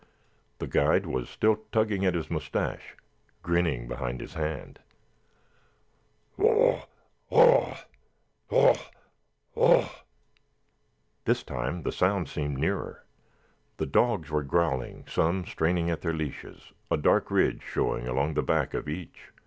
The guide was still tugging at his moustache, grinning behind his hand. "Waugh, waugh, waugh, waugh!" This time the sound seemed nearer. The dogs were growling, some straining at their leashes, a dark ridge showing along the back of each.